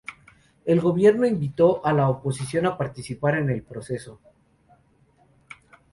El gobierno invitó a la oposición a participar en el proceso.